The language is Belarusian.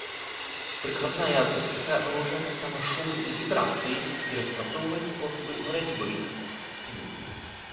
Прыкладная акустыка вывучае таксама шумы і вібрацыі і распрацоўвае спосабы барацьбы з імі.